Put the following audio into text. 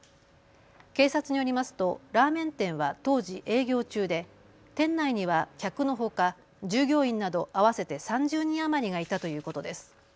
警察によりますとラーメン店は当時、営業中で店内には客のほか従業員など合わせて３０人余りがいたということです。